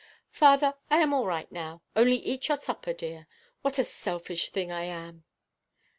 "Father, I am all right now. Only eat your supper, dear. What a selfish thing I am!"